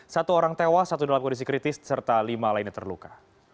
satu orang tewas satu dalam kondisi kritis serta lima lainnya terluka